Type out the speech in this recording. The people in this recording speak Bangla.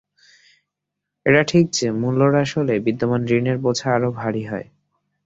এটা ঠিক যে মূল্যহ্রাস হলে বিদ্যমান ঋণের বোঝা আরও ভারী হয়।